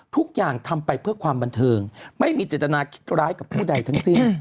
ทุกอย่างทำไปเพื่อความบันเทิงไม่มีเจตนาคิดร้ายกับผู้ใดทั้งสิ้น